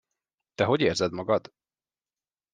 Te hogy érzed magad?